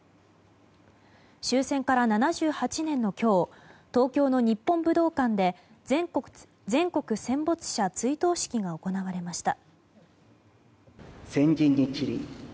終戦から７８年の今日東京の日本武道館で全国戦没者追悼式が行われました。